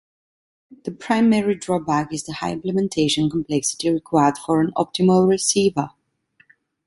The primary drawback is the high implementation complexity required for an optimal receiver.